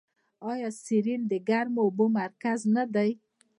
آیا سرعین د ګرمو اوبو مرکز نه دی؟